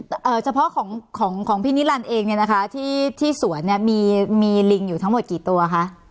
เอ่อเฉพาะของของพี่นิรันดิ์เองเนี่ยนะคะที่ที่สวนเนี้ยมีมีลิงอยู่ทั้งหมดกี่ตัวคะ